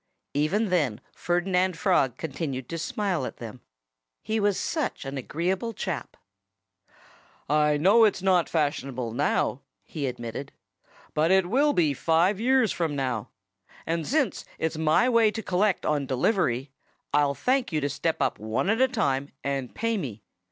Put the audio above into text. Even then Ferdinand Frog continued to smile at them. He was such an agreeable chap! "I know it's not fashionable now," he admitted, "but it will be five years from now. And since it's my way to collect on delivery, I'll thank you to step up one at a time and pay me.